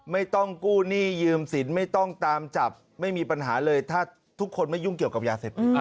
ไม่ต้องกู้หนี้ยืมสินไม่ต้องตามจับไม่มีปัญหาเลยถ้าทุกคนไม่ยุ่งเกี่ยวกับยาเสพติด